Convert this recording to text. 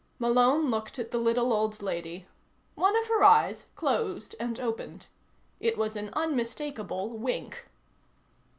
Malone looked at the little old lady. One of her eyes closed and opened. It was an unmistakable wink.